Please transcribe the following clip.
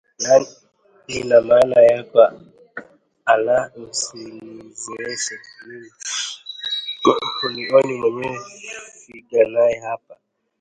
Nani mama yako Alaa Usinizeeshe mimi, hunioni mwenyewe figa nane hapa